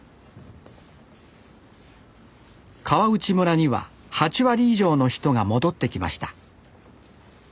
川内村には８割以上の人が戻ってきました。